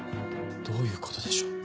どういうことでしょう。